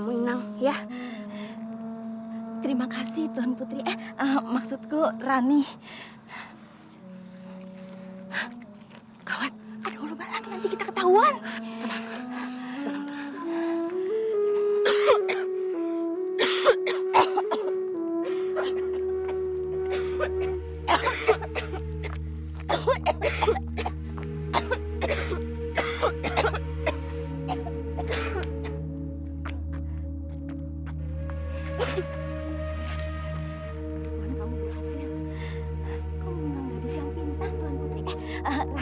mulai sekarang kita rakyat biasa